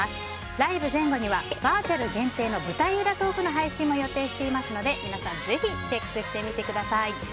ライブ前後にはバーチャル限定の舞台裏トークの配信も予定していますので皆さんぜひチェックしてみてください。